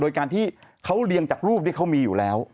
โดยการที่เขาเรียงจากรูปที่เขามีอยู่แล้ว